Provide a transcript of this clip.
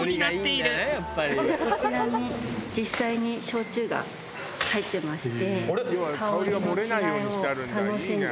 こちらに実際に焼酎が入ってまして。